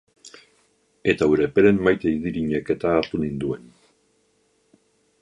Eta Urepelen Maite Idirinek-eta hartu ninduen.